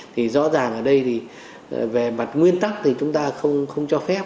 thì rõ ràng ở đây thì về mặt nguyên tắc thì chúng ta không cho phép